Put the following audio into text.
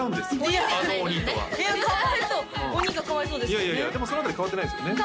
いやいやいやでもその辺り変わってないですよね？